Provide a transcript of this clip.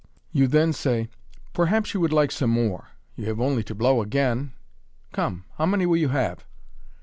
You then say, " Perhaps you would like some more. You have only to blow again. Come, how many will you have